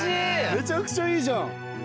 めちゃくちゃいいじゃん。